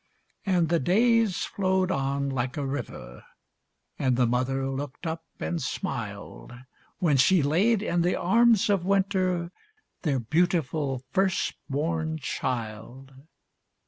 And the days flowed on like a river; And the mother looked up and smiled, When she laid in the arms of Winter, Their beautiful first born child.